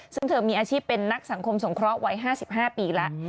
ซึ่งเธอมีอาชีพเป็นนักสังคมสงเคราะห์วัย๕๕ปีแล้ว